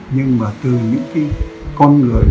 nhưng mà từ những cái con người